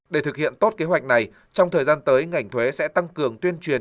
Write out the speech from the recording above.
để thực hiện tốt kế hoạch này trong thời gian tới ngành thuế sẽ tăng cường tuyên truyền